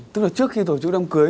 tức là trước khi tổ chức đám cưới